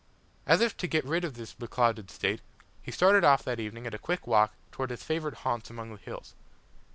As if to get rid of this beclouded state, he started off that evening at a quick walk towards his favourite haunts among the hills.